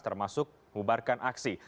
termasuk mengubarkan aksi